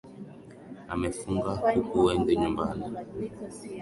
Amefuga kuku wengi nyumbani.